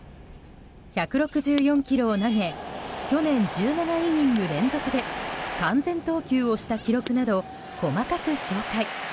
１６４キロを投げ去年１７イニング連続で完全投球をした記録など細かく紹介。